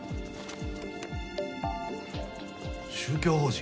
宗教法人？